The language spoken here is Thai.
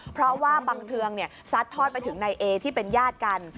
เพราะว่าบังเทืองซัดทอดไปถึงนายเอที่เป็นญาติกัน